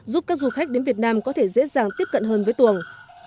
giúp các du khách đến việt nam có thể dễ dàng tiếp cận hơn với tuồng